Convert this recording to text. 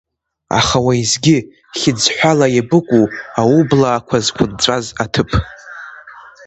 Аха уеизгьы, хьыӡҳәала иабыкуу аублаақуа зқунҵәаз аҭыԥ?